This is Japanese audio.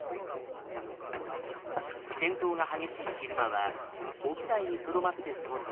戦闘が激しい昼間は屋内にとどまって過ごす「生活パート」。